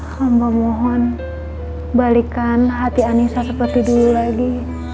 hamba mohon balikkan hati anissa seperti dulu lagi